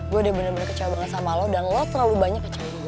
gue udah bener bener kecewa banget sama lo dan lo terlalu banyak kecawain gue